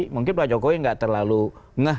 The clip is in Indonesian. mungkin pak jokowi nggak terlalu ngeh